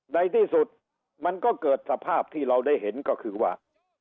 ในที่สุดมันก็เกิดสภาพที่เราได้เห็นก็คือว่า